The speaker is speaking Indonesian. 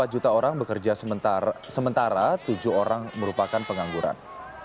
satu ratus dua puluh empat juta orang bekerja sementara tujuh orang merupakan pengangguran